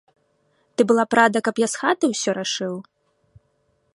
Ты была б рада, каб я з хаты ўсё рашыў?